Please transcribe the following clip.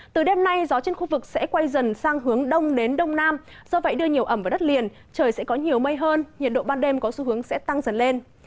từ đêm nay gió trên khu vực sẽ quay dần sang hướng đông đến đông nam do vậy đưa nhiều ẩm vào đất liền trời sẽ có nhiều mây hơn nhiệt độ ban đêm có xu hướng sẽ tăng dần lên